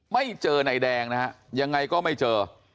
ไม่เจอนายแดงนะฮะยังไงก็ไม่เจอ